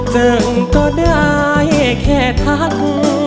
จึงก็ได้แค่ทัก